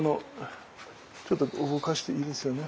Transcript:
ちょっと動かしていいですよね。